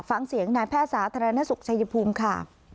ฟังเสียงนายแพทย์สาธารณสุขชัยภูมิค่ะ